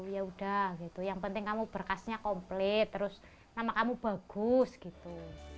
yaudah yang penting kamu berkasnya komplit terus nama kamu bagus gitu